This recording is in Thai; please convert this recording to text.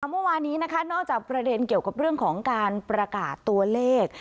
เมื่อวานนี้นะคะนอกจากประเด็นเกี่ยวกับเรื่องของการประกาศตัวเลข